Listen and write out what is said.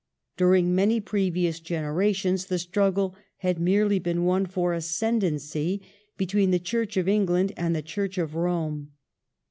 During many previous generations the struggle had merely been one for ascendency between the Church of England and the Church of Eome.